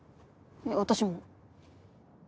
私も。